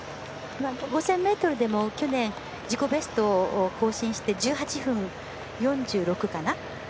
５０００ｍでも去年自己ベストを更新して１８分４６。